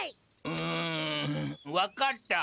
うん分かった。